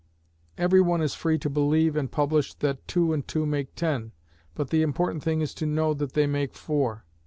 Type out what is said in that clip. Every one is free to believe and publish that two and two make ten, but the important thing is to know that they make four.